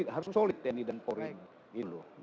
harus solid tni dan polri